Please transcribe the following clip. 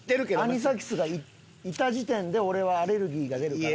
アニサキスがいた時点で俺はアレルギーが出るから。